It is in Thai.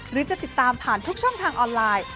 หรือจะติดตามผ่านทุกช่องทางออนไลน์